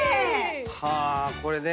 はぁこれで。